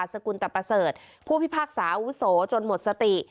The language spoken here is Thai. สกุลตะประเสริฐผู้พิพากษาอาวุโสจนหมดสติ